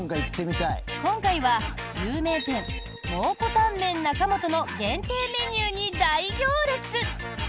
今回は有名店、蒙古タンメン中本の限定メニューに大行列！